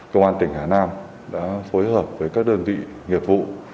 công an tỉnh hà nam đã phối hợp với các đơn vị nghiệp vụ